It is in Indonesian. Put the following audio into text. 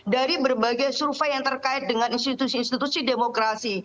dari berbagai survei yang terkait dengan institusi institusi demokrasi